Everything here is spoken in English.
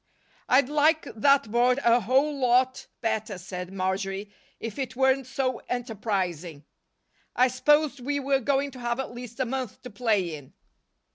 "I'd like that Board a whole lot better," said Marjory, "if it weren't so enterprising. I s'posed we were going to have at least a month to play in."